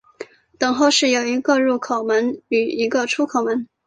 等候室有一个入口门与一个出口门。